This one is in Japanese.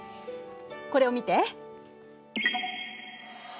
これを見て。